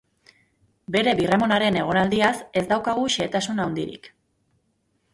Bere birramonaren egonaldiaz ez daukagu xehetasun handirik.